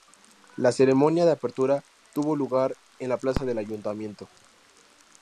La ceremonia de apertura tuvo lugar en la Plaza del Ayuntamiento.